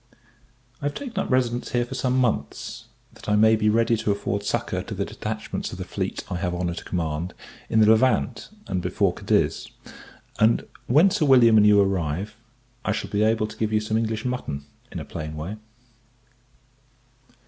I have taken up my residence here for some months, that I may be ready to afford succour to the detachments of the fleet I have the honour to command, in the Levant and before Cadiz; and, when Sir William and you arrive, I shall be able to give you some English mutton, in a plain way.